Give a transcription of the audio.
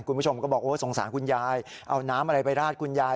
คุณผู้ชมก็บอกโอ้สงสารคุณยายเอาน้ำอะไรไปราดคุณยาย